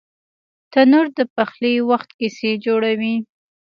تنور د پخلي وخت کیسې جوړوي